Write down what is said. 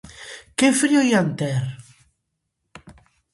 Que frío ían ter!